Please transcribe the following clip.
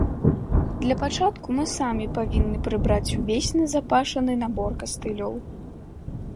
Для пачатку мы самі павінны прыбраць увесь назапашаны набор кастылёў.